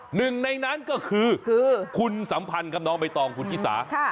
หนึ่งในนั้นก็คือคุณสัมพันธ์ครับน้องใบตองคุณชิสา